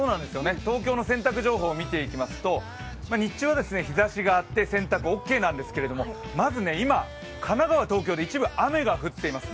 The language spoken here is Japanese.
東京の洗濯情報を見ていきますと、日中は日ざしがあって洗濯オッケーなんですけれどもまず今、神奈川、東京で一部、雨が降っています。